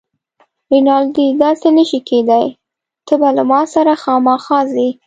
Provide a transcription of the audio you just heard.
رینالډي: داسې نه شي کیدای، ته به له ما سره خامخا ځې.